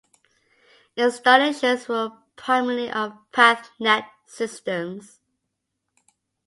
Installations were primarily of PathNet systems.